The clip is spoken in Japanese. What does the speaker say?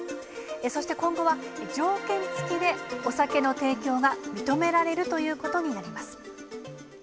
そして今後は、条件付きでお酒の提供が認められるということになります。